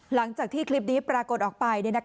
หลังจากที่คลิปนี้ปรากฏออกไป